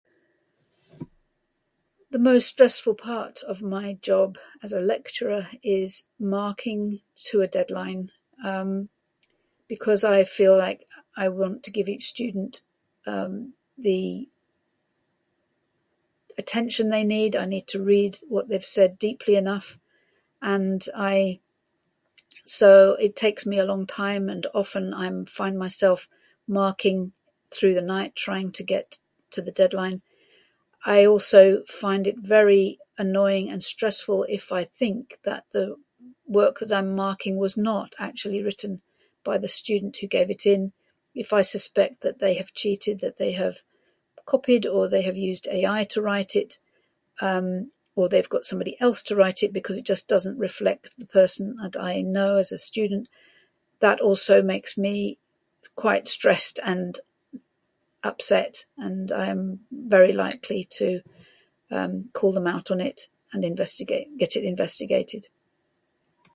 The most stressful part of my job as a lecturer is marking to a deadline. Um, because I feel like I I want to give each student, um, the attention they need. I need to read what they've said deeply enough. And, I, so it takes me a long time and often I'm find myself marking through the night trying to get to the deadline. I also find it very annoying and stressful if I think that the work that I'm marking was not actually written by the student who gave it in. If I suspect that they have cheated, that they have copied or they have used AI to write it, um or they've got somebody else to write it because it just doesn't reflect the person that I know as a student, that also makes me quite stressed and upset and I'm very likely to, um, call them out on it and investigate- get it investigated.